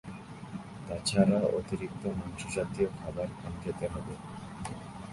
তাছাড়া অতিরিক্ত মাংস জাতীয় খাবার কম খেতে হবে।